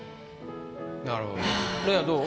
なるほど嶺亜どう？